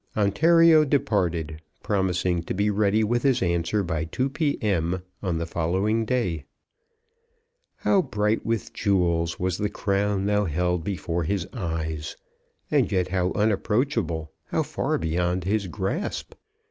Ontario departed, promising to be ready with his answer by 2 P.M. on the following day. How bright with jewels was the crown now held before his eyes, and yet how unapproachable, how far beyond his grasp!